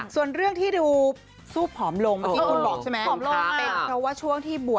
ส่วนเรื่องที่ดูซูบผอมลงเมื่อกี้คุณบอกใช่ไหม